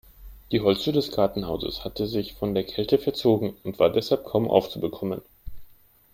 Die Holztür des Gartenhauses hatte sich von der Kälte verzogen und war deshalb kaum aufzubekommen.